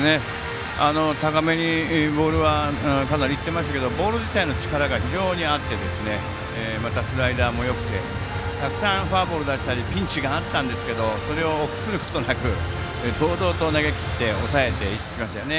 高めにボールは行っていましたがボール自体の力が非常にあってまたスライダーもよくてたくさんフォアボールを出したりピンチがあったんですがそれを臆することなく堂々と投げきって抑えていきましたね。